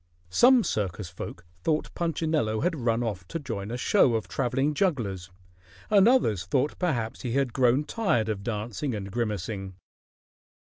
Some circus folk thought Punchinello had run off to join a show of traveling jugglers, and others thought perhaps he had grown tired of dancing and grimacing.